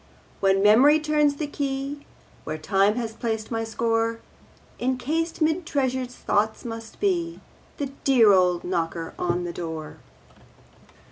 ..... When mem'ry turns the key Where time has placed my score, Encased 'mid treasured thoughts must be The dear old knocker on the door.